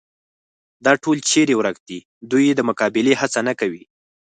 دا ټول چېرې ورک دي، دوی یې د مقابلې هڅه نه کوي.